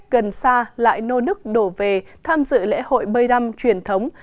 gần xa lại nô nức đổ về tham dự lễ hội bơi đăm truyền thống